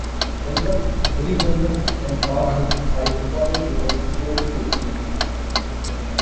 Gandak, Burhi Gandak and Baghmati are important rivers flowing through this region.